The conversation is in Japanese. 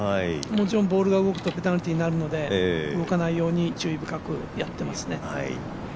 もちろんボールが動くとペナルティーになるので動かないように注意深くやっていますね。